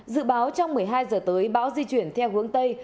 dự báo trong một mươi hai h tới báo di chuyển theo hướng tây